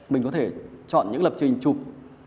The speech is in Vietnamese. mình có thể chọn những lập trình chụp